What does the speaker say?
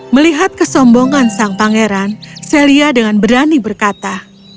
melihat kesombongan sang pangeran celia dengan berani berkata